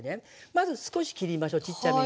まず少し切りましょうちっちゃめに。